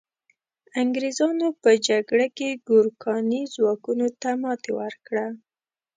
انګریزانو په جګړه کې ګورکاني ځواکونو ته ماتي ورکړه.